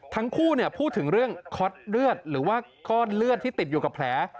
ทั้งคู่พูดถึงเรื่องคอตเลือดหรือว่าก้อนเลือดที่ติดอยู่กับแผล